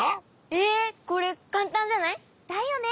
ええ！これかんたんじゃない？だよね！